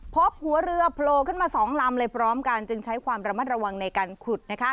พบหัวเรือโผล่ขึ้นมา๒ลำเลยพร้อมกันจึงใช้ความระมัดระวังในการขุด